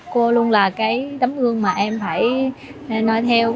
cô luôn là cái tấm gương mà em phải nói theo